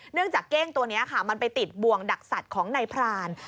จากเก้งตัวนี้ค่ะมันไปติดบ่วงดักสัตว์ของนายพราน